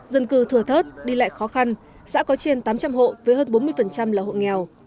dân cư thừa thớt đi lại khó khăn xã có trên tám trăm linh hộ với hơn bốn mươi là hộ nghèo